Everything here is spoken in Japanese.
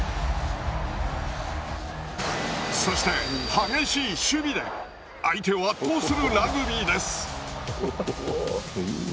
そして激しい守備で相手を圧倒するラグビーです。